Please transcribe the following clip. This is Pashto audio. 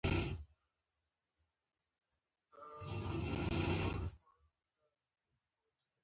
• دروغ د حق ستر دښمن دي.